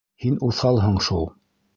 Һин уҫалһың шул.